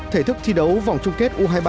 thể thức thi đấu vòng trung tâm